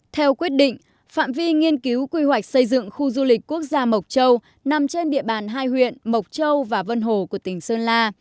theo quyết định phạm vi nghiên cứu quy hoạch xây dựng khu du lịch quốc gia mộc châu nằm trên địa bàn hai huyện mộc châu và vân hồ của tỉnh sơn la